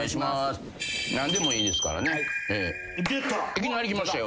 いきなりきましたよ。